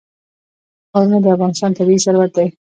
ښارونه د افغانستان طبعي ثروت دی.